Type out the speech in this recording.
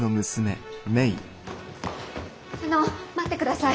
あの待ってください。